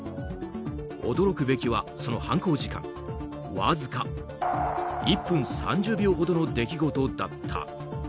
驚くべきはその犯行時間わずか１分３０秒ほどの出来事だった。